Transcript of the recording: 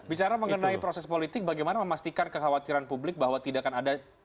bicara mengenai proses politik bagaimana memastikan kekhawatiran publik bahwa tidak akan ada